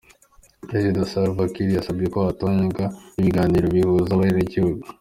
Prezida Salva Kiir yasavye ko hotunganywa ibiganiro bihuza abenegihugu.